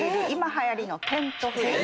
はやりのテント不倫。